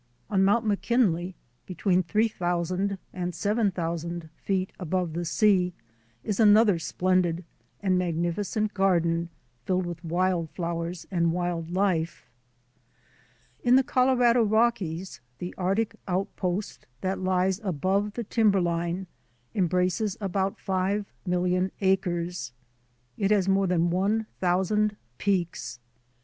On Mount McKinley, between three thousand and seven thousand feet above the sea, is another splendid and magnificent garden filled with wild flowers and wild life. 93 94 THE ADVENTURES OF A NATURE GUIDE In the Colorado Rockies the Arctic outpost that lies above the timberline embraces about five mil lion acres. It has more than one thousand peaks.